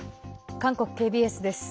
韓国ＫＢＳです。